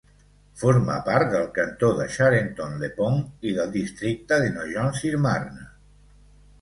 Forma part del cantó de Charenton-le-Pont i del districte de Nogent-sur-Marne.